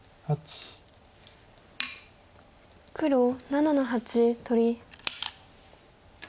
黒７の八取り。